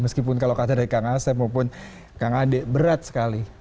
meskipun kalau kata dari kang asep maupun kang ade berat sekali